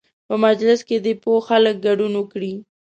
په مجلس کې دې پوه خلک ګډون وکړي.